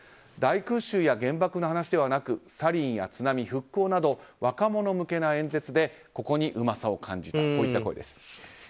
大空襲や原爆の話ではなくサリンや津波、復興など若者向けの演説でここにうまさを感じたといった声です。